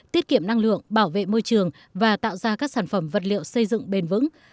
tiết kiệm năng lượng bảo vệ môi trường và tạo ra các sản phẩm vật liệu xây dựng bền vững